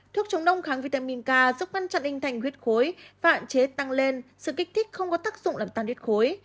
thuốc chống đông kháng vitamin k giúp ngăn chặn inh thành huyết khối và ạn chế tăng lên sự kích thích không có tác dụng làm tăng huyết khối